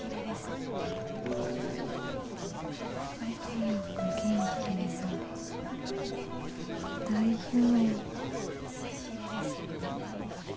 「早く元気になれ」代表。